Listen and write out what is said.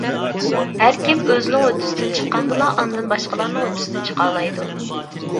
ھەركىم ئۆزىنىڭ ھۆددىسىدىن چىققاندىلا ئاندىن باشقىلارنىڭ ھۆددىسىدىن چىقالايدۇ.